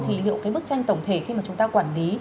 thì liệu cái bức tranh tổng thể khi mà chúng ta quản lý